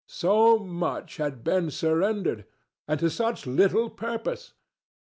So much had been surrendered! and to such little purpose!